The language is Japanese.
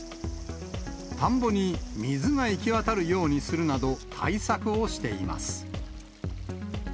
田んぼに水がいきわたるようにするなど、対策をしています。